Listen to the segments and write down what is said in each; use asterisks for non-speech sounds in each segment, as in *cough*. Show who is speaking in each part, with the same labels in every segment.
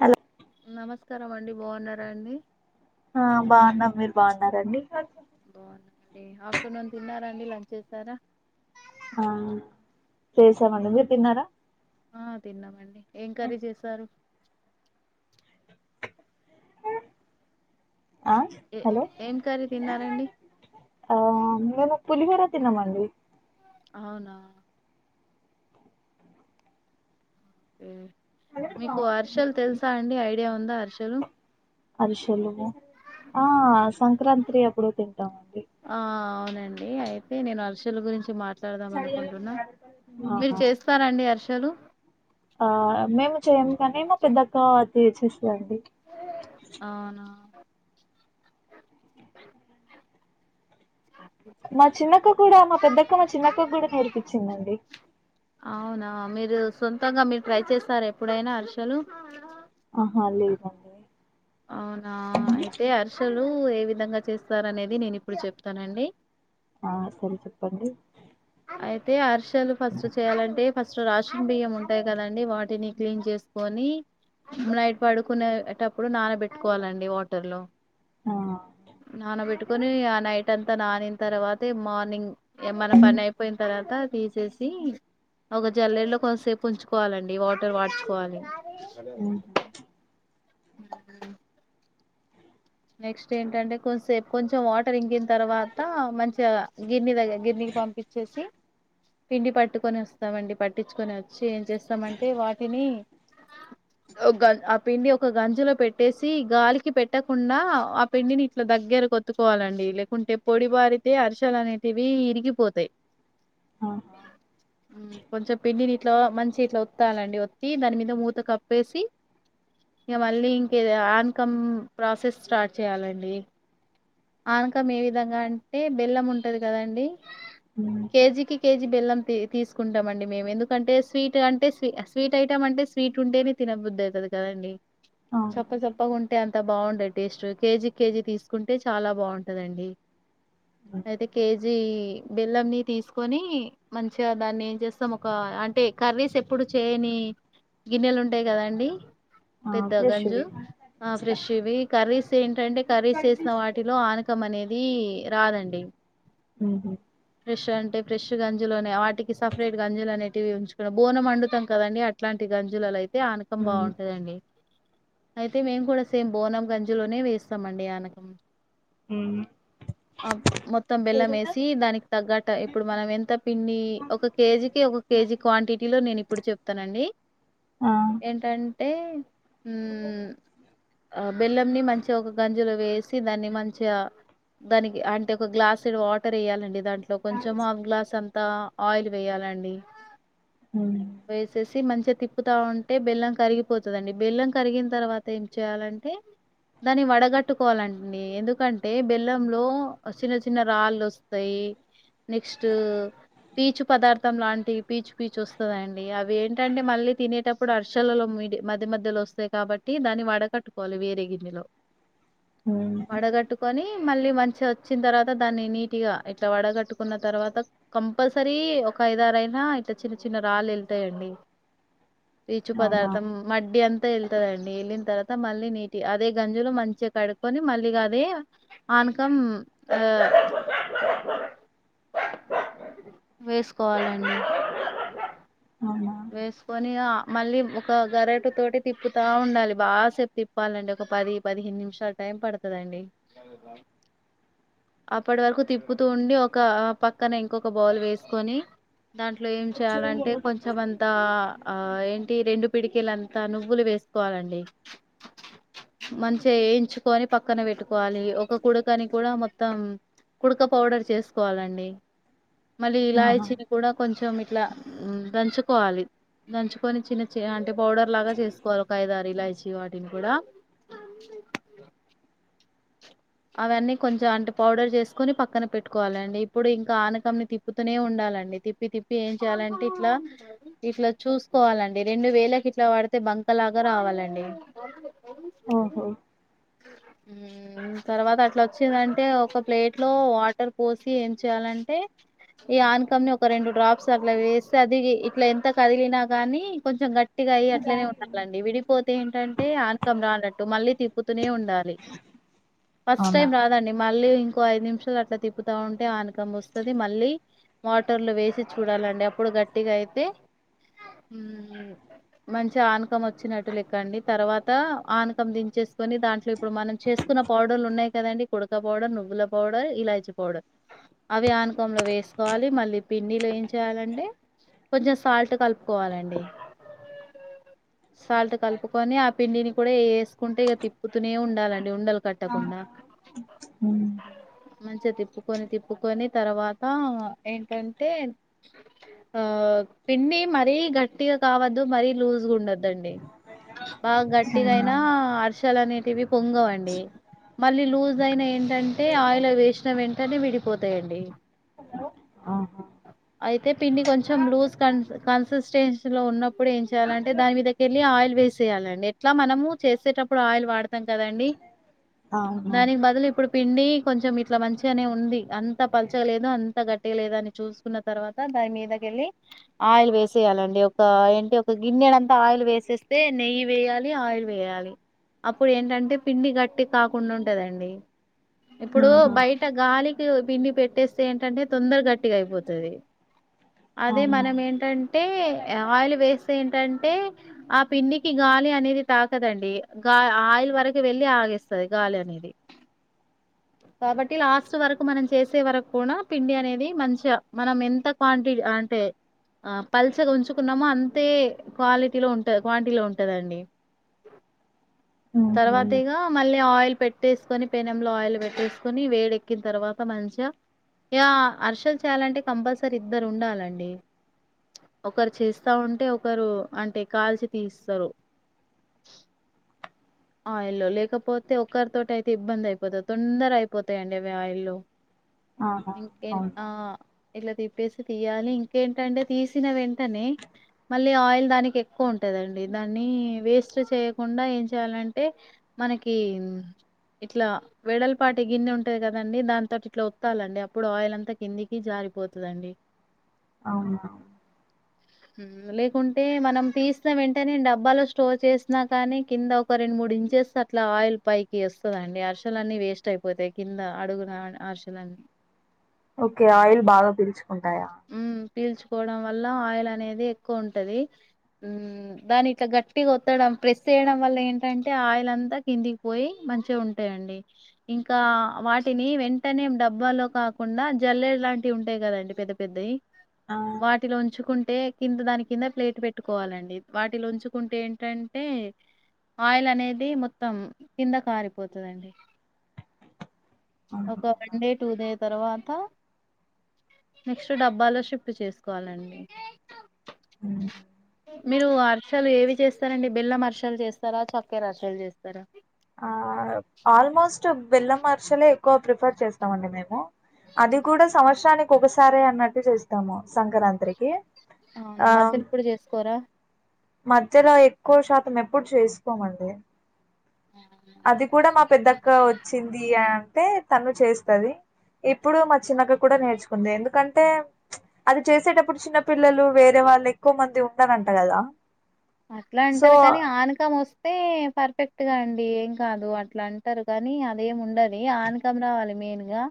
Speaker 1: Hello
Speaker 2: నమస్కారమండి, బావున్నారా అండి.
Speaker 1: హా బానం మీరు బావున్నారండి.
Speaker 2: ఆఫ్టర్నూన్ తిన్నారండి, లంచ్ చేసారా.
Speaker 1: ఆ చేసామండి, మీర్ తిన్నారా.
Speaker 2: ఆ తిన్నామండి, ఏ కరీ చేసారు.
Speaker 1: ఆ
Speaker 2: ఏ
Speaker 1: హలో
Speaker 2: ఏం కర్రీ తిన్నారండి
Speaker 1: పులిహోర తినమండి.
Speaker 2: అవునా మీకు అర్షలు తెలుసా అండి, ఐడియా ఉందా అర్షలు.
Speaker 1: అర్షలుగా ఆ సంక్రాత్రే అప్పుడు తింటామండి.
Speaker 2: ఏ అయితే నేను అర్షలా గురించి మాట్ మీరు
Speaker 1: ఆహా
Speaker 2: చేస్తారండి అర్షలు.
Speaker 1: ఆ మేము చేయము కాని మా పెద్ద అత్త తెచ్చేస్
Speaker 2: అవునా
Speaker 1: మా చిన్నక్క కూడా, మా పెద్దక్క, మా చిన్నక్క కూడా నేర్పించిందండి.
Speaker 2: అవునా, మీరు సొంతంగా మీరు ట్రై చేస్తారా ఎప్పుడైనా అర్షలు.
Speaker 1: ఆహా లేదండి.
Speaker 2: ఆ అయితే హర్షలు ఏ విధంగా చేస్తారు అనేది నేను ఇప్పుడు చెప్తానండి.
Speaker 1: ఆ సరే చెప్పండి.
Speaker 2: అయితే హర్షాలు ఫస్ట్ చేయాలంటే ఫస్ సృ రాషన్ బియ్యం ఉంటాయి కదండి. వాటిని క్లీన్ చేసుకొని నైట్ పడుకునే టప్పుడు నానబెట్టుకోవాలండి వాటర్ లో
Speaker 1: ఆ
Speaker 2: నానబెట్టూ కొనే ఆ నైట్ అంతా నానీన్ తర్వాత మార్నింగ్ ఏ మన పనైప్ పోయిన తర్వాత తీసేసి ఒక జల్లెర్లో కొంతసేపు ఉంచుకోవాలండి వాటర్ వాడ్చుకోవాలి *unintelligible* నెక్స్ట్ ఏంటంటే కొంచ సేపు కొంచెం వాటర్ ఇంగిన తర్వాత మంచిగా గిన్ని దగ్గర గిన్ని పంపించేసి పిండి పట్టుకొని వస్తామండి పట్టించుకొని వచ్చి ఏం చేస్తామంటే వాటిని ఆ పిండి ఒక గంజిలో పెట్టేసి గాలికి పెట్ట కుండా ఆ పిండిని ఇట్లా దగ్గర కొత్తుకోవాలండి లేకుంటే పొడి బారితే అరిసలు అనేటివి విరిగిపోతాయి
Speaker 1: ఆహా
Speaker 2: కొంచెం పిండిని ఇట్లో మంచి ఇట్లా వత్తాలండి ఒత్తి దాని మీద మూత కప్పేసి ఇంక మళ్ళీ ఇంకేద ఆన్కమ్ ప్రాసెస్ స్టార్ట్ చేయాలండి ఆనకం ఏ విధంగా అంటే బెల్లం ఉంటది కదండి కేజీకి కేజీ బెల్లం తీసుకుంటాంమండి మే ఎందుకంటే స్వీట్ అంటే స్వట్ ఐటమ్ అంటే స్వీట్ ఉంటే తిన బుద్ది అయితుంది కదండి చప్ప
Speaker 1: అవునండి
Speaker 2: చప్పగా ఉంటే అంత బాగుండది టేస్ట్ కేజీ కేజీ తీసుకుంటే చాలా బాగుంటందండి అయితే కేజీ బెల్లంన్ని తీసుకొని మంచిగా దాన్ని ఏం చేస్తాం ఒక అంటే కర్రీస్ ఎప్పుడు చేయని గిన్నెలు ఉంటాయి కదండి
Speaker 1: ఆ
Speaker 2: పెద్ద గంజు
Speaker 1: ఫ్రెష్వి
Speaker 2: ఆ ఫ్రెష్ వి కర్రీస్ ఏంటంటే కర్రీస్ వే వాటిలో ఆనకం అనేది రాదండి
Speaker 1: ఉమ్
Speaker 2: ఫెష్ అంటే ఫెష్ గంజలు అయి వాటికి సపరేట్ గంజలు అనేటివి ఉంచుకు బోనం వండుతాం కదండి అట్లాంటిది గంజులలో అయితే ఆనకం
Speaker 1: ఉమ్
Speaker 2: బాగుంటదండి అయితే మేము కూడా సేమ్ బోనం గంజులోనే వేస్తామ అండి ఆనకం
Speaker 1: ఉ
Speaker 2: మొత్తం బెల్లం వేసి దానికి తగ్గట ఇప్పుడు మనం ఎంత పిండి ఒక కేజీకి ఒక కేజీ క్వాంటిటీలో నేను ఇప్పుడు చెప్తానండి
Speaker 1: ఆ
Speaker 2: ఏంట అంటే మ్ బెల్లంని మంచిగా ఒక గంజులో వేసి దాన్ని మంచిగా దానికి అంటే ఒక గ్లాస్ వాటర్ వేయాలండి దాంట్లో కొంచెం ఆఫ గ్లాస్ అంతా ఆయిల్ వేయాలండి
Speaker 1: ఉమ్
Speaker 2: వేసేసి మంచి తిప్పుతా ఉంటే బెల్లం కరిగిపోతుందండి బెల్లం కరిగిన తర్వాత ఏం చేయాలంటే దాన్ని వడగట్టుకోవాలండి ఎందుకంటే బెల్లంలో చిన్న చిన్న రాళ్ళు వస్తాయి నెక్స్ట్ పీచు పదార్థం లాంటివి పీచు పీచు వస్తుందండి అవి ఏంటంటే మళ్ళీ తినేటప్పుడు అరుసలలో మధ్య మధ్యలో వస్తాయి కాబట్టి దాన్ని వడకట్టుకోవాలి వేరే గిన్నెలో
Speaker 1: ఉమ్
Speaker 2: వడగట్టుకొని మళ్ళీ మంచి వచ్చిన తర్వాత దాన్ని నీట్ గా ఇట్లా వడగట్టుకున్న తర్వాత కంపల్సరీ ఒక ఐదారు అయినా ఇతే చిన్న చిన్న రాళ్ళు వెళ్తాయండి రీచు
Speaker 1: అవునా
Speaker 2: పదార్థం మడ్డి అంతా వెళ్తుందిండి వెళ్ళిన తర్వాత మళ్ళీ నీటి అదే గంజులో మంచిగా కడు కని మళ్ళీగా అదే ఆనకం ఆ వేసుకోవాలండి
Speaker 1: అవునా
Speaker 2: కొని ఆ మళ్ళీ ఒక గరెటు తోటి తిప్పుతా ఉండాలి బాసేప్ తిప్పాలండి ఒక పది పదిహే ఎన్ని నిమిషాలు టైం పడతదండి అప్పటి వరకు తిప్పుతూ ఉండి ఒక పక్కన ఇంకొక బౌల్ వేసుకొని దా ఇంట్లో ఏం చేయాలంటే కొంచెం అంతా ఆ ఏంటి రెండు పిడికీలం తా నువ్వులు వేసుకోవాలండి మంచిగా ఎంచుకొని పక్కన పెట్టుకోవాలి ఒక కుడుకని కూడా మొత్తం కుడక పౌడర్ చేసుకోవాలండి. మళ్ళీ
Speaker 1: ఆహా
Speaker 2: ఇలాయిచీని కూడా కొంచెం ఇట్లా దంచుకోవాలి. దంచుకొని చిన్న చి అంటే పౌడర్ లాగా చేసుకోవాలి ఒక అయిదారు ఇలాచి వాటిని కూడా అ *inaudible* అవన్నీ కొంచెం అంటే పౌడర్ చేసుకొని పక్కన పెట్టుకోవాలండి ఇప్పుడు ఇంకా ఆనకంని తిప్పుతూనే ఉండా ప్పాలండి తిప్పి తిప్పి ఏం చేయాలంటే ఇట్లా ఇట్లా చూసుకోవాలండి రెండు వేలకు ఇట్లా వాడితే బంక లాగా రావాలండి
Speaker 1: ఆ ఓహో
Speaker 2: ఆ *inaudible* తర్వాత అట్లా వచ్చిందంటే ఒక ప్లేట్ లో వాటర్ పోసి ఏం చేయాలంటే ఈ ఆన్కమ్ ని ఒక రెండు డ్రాప్స్ అట్లా వేస్తే అది ఇట్లా ఎంత కరిగినా గానీ కొంచెం గట్టిగయి అట్లనే ఉండాలండి విడిపోతే ఏంటే ఆనకం రాన్నట్టు మళ్ళీ తిప్పుతూనే ఉండాలి ఫస్ట్
Speaker 1: అవునా
Speaker 2: టైం రాదండి మళ్ళీ ఇంకో ఐదు నిమిషాలు అట్లా తిప్పుతా ఉంటే ఆనకం వస్తుంది మళ్లీ వాటర్లు వేసి చూడాలండి అప్పుడు గట్టిగా అయితే మంచిగా ఆనకం వచ్చినట్టు లెక్కండి తర్వాత ఆనకం దిం చు కొని దాంట్లో ఇప్పుడు మనం చేసుకున్న పౌడర్లు ఉన్నాయి కదండి కుడక పౌడర్ నువ్వుల పౌడర్ ఇలాచి పౌడర్ అవి ఆనకంలో వేసుకోవ లి మళ్లీ మళ్లీ పిండిలో ఏం చేయాలంటే కొంచె సాల్ట్ కలుపుకోవాలండి. సాల్ట్ కలుపుకొని ఆ పిండిని కూడా వేసుకుంటే ఇక తిప్పుతూనే ఉండాలండి ఉండల్ టకుండా
Speaker 1: ఉమ్
Speaker 2: చ్చ తిప్పుకొని తిప్పుకొని తర్వాత ఏంటంటే ఆ పిండి మరీ గట్టిగా కావద్దు మరీ లూజ్గా ఉండదుండి బాగా గట్టిగా
Speaker 1: అవునా
Speaker 2: అయినా అర్సల్ అనేటివి పొంగవండి మళ్లీ లూజ్ అయిన ఏంటంటే ఆయిల్ వేసిన వెంటనే విడిపోతాయండి మళ్లీ
Speaker 1: ఆహా
Speaker 2: అయితే పిండి కొంచెం లూజ్ కన్ కన్సిస్టెన్సీ లో ఉన్నప్పుడు ఏం చేయాలంటే దాని మీద కెళ్ళి ఆయి యిల్ వేసేయాలండి ఎట్లా మనము చేసేటప్పుడు ఆయిల్ వాడతాం కదండి.
Speaker 1: అవునా
Speaker 2: దానికి బదులు ఇప్పుడు పిండి కొంచెం ఇట్లా మంచిగానే ఉంది అంత పల్చగా లేదు అంత గట్టిగా లేదు అని చూసుకున్న తర్వాత దాని మీదకేళ్ళి ఆయిల్ వేసేయాలండి ఒక ఏంటి ఒక గిన్నెడ అంతా ఆయిల్ వేసేస్తే నెయి యి వేయాలి ఆయిల్ వేయాలి అప్పుడు ఏంటంటే పిండి గట్టి కాకుండా ఉంటదండి ఇప్పుడు
Speaker 1: ఆహా
Speaker 2: బయట గాలి తేవ్ పిండి పెట్టేస్తే ఏంటంటే తొందర గట్టిగా అయిపోతది అదే
Speaker 1: అవునా
Speaker 2: మనం ఏంటంటే ఆయిల్ వేస్తే ఏంటంటే ఆ పిండికి గాలి అనేది తాకదండి గా ఆయి వరకు వెళ్ళి ఆగేస్తాది గాలి అనేది కాబట్టి లాస్ట్ వరకు మనం చేసే వరకు కూడా పిండి అనేది మంచిగా మనం ఎంత క్వాంటి అంటే ఆ పల్సగా ఉంచుకున్నాము అంతే క్వాలిటీలో ఉంట క్వాంటిటీలో ఉంటదండి *inaudible* తర్వాత
Speaker 1: ఆహ
Speaker 2: ఇగ మళ్ళీ ఆయిల్ పెట్టేసుకొని పెనంలో ఆయిల్ పెట్టేసుకొని వేడెక్కిన తర్వాత మంచిగా యా అరిసెలు చేయాలంటే కంపల్సరీ ఇద్దరు ఉండాలండి ఒకరు చేస్తా ఉంటే ఒకరు అంటే కాల్చి తీస్తారు ఆయిల్లో లేకపోతే ఒకరితోటి అయితే ఇబ్బంది అయిపోతుంది తొందర అయిపోతాయండి అవి ఆయిల్లో
Speaker 1: ఆహా
Speaker 2: ఇంక
Speaker 1: అవునా
Speaker 2: ఆ ఇలా దీప్ దింపేసి తీయాలి ఇంకేంటంటే తీసిన వెంటనే మళ్ళీ ఆయిల్ దానికి ఎక్కువ ఉంటదండి దాన్ని వేస్ట్ చేయకుండా ఏం చేయాలం టే మనకి ఇట్లా వెడలపాటి గిన్నె ఉంటది కదండి దానితోటి ఇట్లా ఓత్తాలండి అప్పుడు ఆయిల్ అంతా కిందికి జారీ పోతదండి
Speaker 1: అవునా
Speaker 2: ఉహూ లేకుంటే మనం తీసిన వెంటనే డబ్బాలో స్టోర్ చేసిన కానీ కింద ఒక రెండు మూడు ఇంచెస్ అట్లా ఆయిల్ పైకి వస్తదిండి అరీసేలు అన్నీ వేస్ట్ అయిపోతాయి కింద అడుగు చలండి
Speaker 1: ఓకే ఆయిల్ బాగా పీల్చుకుంటాయా
Speaker 2: హ్మ్. పీల్చుకోవడం వల్ల ఆయిల్ అనేది ఎక్కువ ఉంటది దాని ఇట్లా గట్టిగా వోత్తడం ప్రెస్ చేయడం వల్ల ఏంటి అంటే ఆయిల్ అంతా కిందికి పోయి మంచిగా ఉంటాయండి ఇంకా వాటిని వెంటనే డబ్బాలో కాకుండా జల్లెడ లాంటివి ఉంటాయి కదండి పెద్ద పెద్దవి
Speaker 1: ఆ
Speaker 2: వాటిలో ఉంచుకుం టే కింద దాని కింద ప్లేట్ పెట్టుకోవాలండి వాటిలో ఉంచుకుంటే ఏంటంటే ఆయిల్ అనేది మొత్తం కింద కారిపోతదండి ఒక
Speaker 1: అవునా
Speaker 2: వన్ డే టూ డే తర్వాత నెక్స్ట్ డబ్బాలో షిఫ్ట్ చేసుకోవాలండి
Speaker 1: ఉమ్
Speaker 2: మీరు అరిసెలు ఏవి చేస్తారండి బెల్లం అరిసెలు చేస్తారా చక్కెర అరిసెలు చేస్తారా
Speaker 1: ఆ ఆల్మోస్ట్ బెల్లం అరిసెలే ఎక్కువ ప్రిఫర్ చేస్తాం అండి మేము అది కూడా సంవత్సరానికి ఒకసారే అన్నట్టు చేస్తాము సంక్రాంతికి
Speaker 2: అవునా
Speaker 1: ఆ
Speaker 2: మధ్యలో ఇప్పుడు చేసుకోరా
Speaker 1: మధ్యలో ఎక్కువ శాతం ఎప్పుడు చేసుకోమండి అది కూడా మా పెద్దక్క వచ్చింది అంటే తను చేస్తది ఇప్పుడు మ చిన్నక్క కూడా నేర్చుకుంది ఎందుకం టే అది ప్చ్ చేసేటప్పుడు చిన్నపిల్లలు వేరే వాళ్ళు ఎక్కువ మంది ఉండరంట కదా
Speaker 2: అట్లా
Speaker 1: సో
Speaker 2: అంటారు కాని ఆనకం వస్తే పర్ఫెక్ట్ గా అం డి ఏం కాదు అట్లా అంటారు కానీ అదేం ఉండదు ఆనకం రావాలి మెయిన్ గా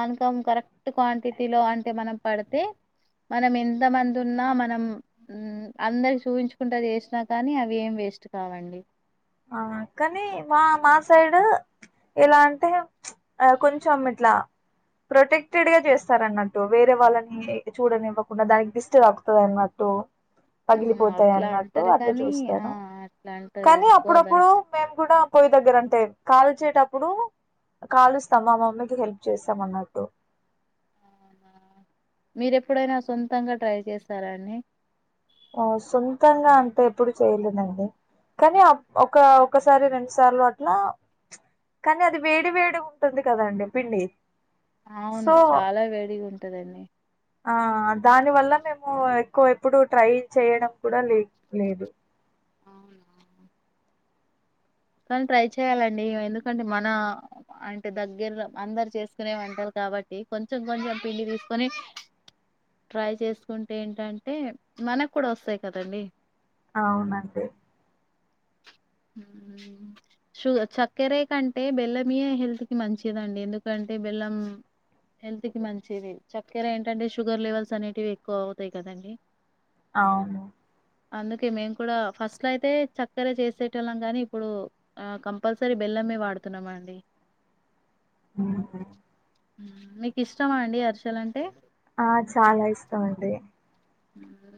Speaker 2: అనకం కరెక్ట్ క్వాంటిటీ లో అంటే మనకు పడితే మనం ఎంత మంది ఉన్నా మనం ఉమ్ అందరికి చూపించు కుంట చేసినా కానీ అవి ఏం వేస్ట్ కావండి
Speaker 1: ఆ కానీ మా మా సైడ్ ఎలా అంటే ప్చ్ కొంచెం ఇట్లా ప్రొటెక్టెడ్ గా చేస్తార అన్నట్టు వేరే వాళ్ళని చూడనివ్వకుండా దానికి దిష్టి తాకుతది అన్నట్టు పగిలిపోతాయి
Speaker 2: అట్లా
Speaker 1: అన్నట్టు
Speaker 2: అంటారు
Speaker 1: అట్లా
Speaker 2: కాని ఆ
Speaker 1: చూస్తారు
Speaker 2: అట్లా అంటారు
Speaker 1: కానీ అప్పుడప్పుడు
Speaker 2: దానికి
Speaker 1: మేము కూడా పోయి దగ్గర అంటే కాల్ చ్చేటప్పుడు కాలుస్తాం మా మమ్మీకి హెల్ప్ చేస్తాం అన్నట్టు
Speaker 2: మీరు ఎప్పుడైనా సొంతంగా ట్రై చేస్తారా అండి
Speaker 1: ఆ సొంతంగా అంటే ఎప్పుడు చేయలేదండి కానీ ఆ ఒక ఒకసారి రెండు సార్లు అట్లా ప్చ్ కానీ అది వేడి వేడిగ ఉంటది కదండి పిండి
Speaker 2: అవును
Speaker 1: సో
Speaker 2: చాలా వేడిగా ఉంటదండి
Speaker 1: ఆ దాని వల్ల మేము ఎక్కువ ఎప్పుడు ట్రై చేయడం కూడా లే లేదు
Speaker 2: అవునా కానీ ట్రై చేయాలండి ఎందుకంటే మన అంటే దగ్గర అందరు చేసుకునే వంటారు కదా కాబట్టి కొంచెం కొంచెం పిండి తీసుకొని ట్రై చేసుకుంటే ఏంటంటే మనకు కూడా వస్తాయి కదండి
Speaker 1: అవునండి
Speaker 2: ఉమ్ ఉ షుగ చక్కెరే కంటే బెల్లమయ హెల్త్కి మంచిదండి ఎందుకంటే బెల్లం హెల్త్ కి మంచివి చక్కెర ఏంటంటే షుగర్ లెవెల్స్ అనేటివి ఎక్కువ అవుతాయి కదండడి
Speaker 1: అవును
Speaker 2: అందుకే మేము కూడా ఫస్ట్ లో అయితే చక్కర చేసే లం కానీ ఇప్పుడు కంపల్సరీ బెల్లమే వాడుతున్నాం అండి
Speaker 1: ఉ
Speaker 2: మీకు ఇష్టమా అండి అరిసలంటే
Speaker 1: ఆ చాలా ఇష్టం అండి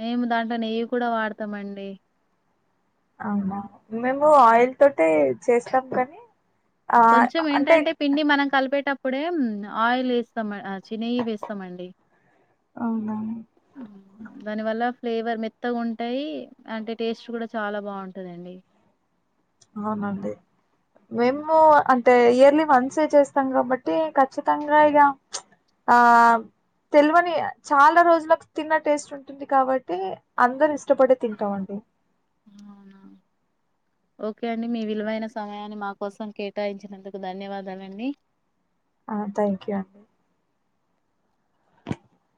Speaker 2: మేము దాంట్లో నెయ్యి కూడా వాడతామండి
Speaker 1: అవునా మేము ఆయిల్ తోట చేస్తాం కానీ ఆ
Speaker 2: కొంచెం
Speaker 1: అంటే
Speaker 2: ఏంటంటే పిండి మనం కలిపేటప్పుడే ఆయిల్ వేస్తాం చిన్య వేస్తామండి
Speaker 1: అవునా
Speaker 2: దానివల్ల ఫ్లేవర్ మెత్తగా ఉంటాయి అంటే టేస్ట్ కూడా చాలా బాగుంటుందండి
Speaker 1: అవునండి మేము అ అంటే ఇయర్లీ వన్స్ చేస్తాం కాబట్టి ఖచ్చితంగా ఇక ఆ తెల్వని చాలా రోజులకు తిన్న టేస్ట్ ఉంటుంది కాబట్టి అందరుూ ఇష్టపడే తింటాంండి
Speaker 2: అవునా ఓకే అండి మీ విలువైన సమయాన్ని మా కోసం కేటాయించినందుకు ధన్యవాదాలండి
Speaker 1: ఆ థ్యాంక్ యూ అండి